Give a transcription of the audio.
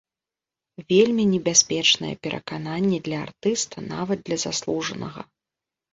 Вельмі небяспечнае перакананне для артыста, нават для заслужанага.